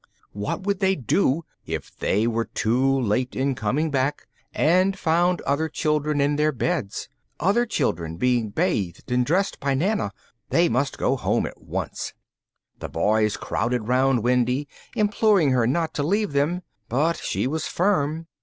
What would they do if they were too late in coming back, and found other children in their beds, other children being bathed and dressed by Nana? They must go home at once. The Boys crowded round Wendy, imploring her not to leave them, but she was firm.